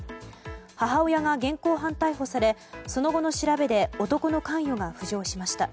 母親が現行犯逮捕されその後の調べで男の関与が浮上しました。